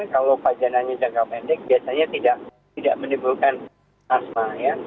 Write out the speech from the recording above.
kalau pajanannya jangka pendek biasanya tidak menimbulkan asma ya